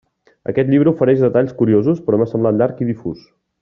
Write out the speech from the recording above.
Aquest llibre ofereix detalls curiosos, però m'ha semblat llarg i difús.